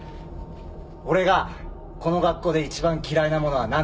俺がこの学校で一番嫌いなものは何でしょう？